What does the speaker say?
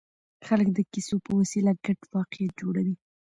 خلک د کیسو په وسیله ګډ واقعیت جوړوي.